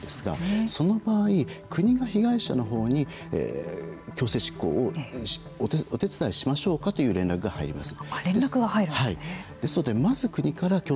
これは日本と同じなんですがその場合、国が被害者のほうに強制執行をお手伝いしましょうかという連絡が入ります。